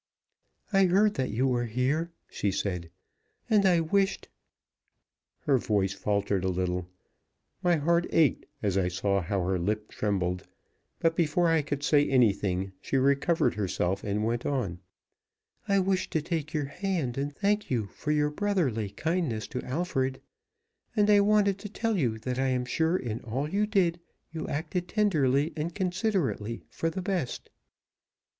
"I heard that you were here," she said, "and I wished " Her voice faltered a little. My heart ached as I saw how her lip trembled, but before I could say anything she recovered herself and went on: "I wished to take your hand, and thank you for your brotherly kindness to Alfred; and I wanted to tell you that I am sure in all you did you acted tenderly and considerately for the best.